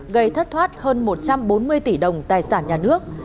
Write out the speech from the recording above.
gây thất thoát hơn một trăm bốn mươi tỷ đồng tài sản nhà nước